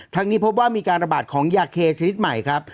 นี้พบว่ามีการระบาดของยาเคชนิดใหม่ครับ